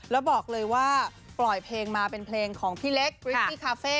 แล้วบอกเลยว่าปล่อยเพลงมาเป็นเพลงของพี่เล็กกริสซี่คาเฟ่